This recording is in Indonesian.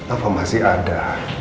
apa masih ada